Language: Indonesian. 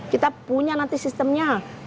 kita punya nanti sistemnya